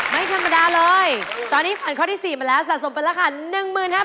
ไม่ธรรมดาเลยตอนนี้อันข้อที่๔มาแล้วสะสมเป็นราคา๑๕๐๐๐บาท